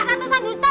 cukup tunggu mak